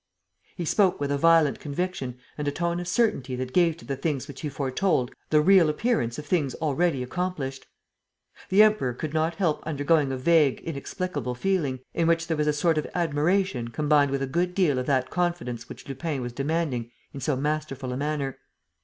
He spoke with a violent conviction and a tone of certainty that gave to the things which he foretold the real appearance of things already accomplished. The Emperor could not help undergoing a vague, inexplicable feeling in which there was a sort of admiration combined with a good deal of that confidence which Lupin was demanding in so masterful a manner.